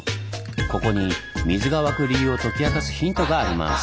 ここに水が湧く理由を解き明かすヒントがあります。